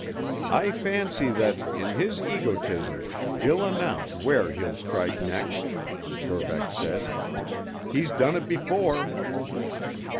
"I fancy that, in his egotism, he'll announce where he'll strike next," Verbeck said. "He's done it before."